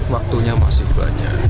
waktunya masih banyak